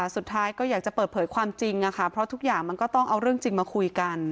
สุดท้ายก็อยากจะเปิดเผยความจริงค่ะเพราะทุกอย่างมันก็ต้องเอาเรื่องจริงมาคุยกัน